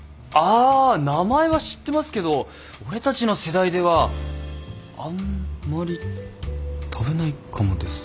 あ名前は知ってますけど俺たちの世代ではあんまり食べないかもですね。